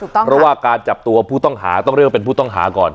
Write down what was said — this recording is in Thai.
เพราะว่าการจับตัวผู้ต้องหาต้องเรียกว่าเป็นผู้ต้องหาก่อน